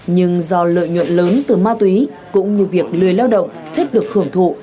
nhưng do lợi nhuận lớn từ ma túy cũng như việc lười lao động thích được hưởng thụ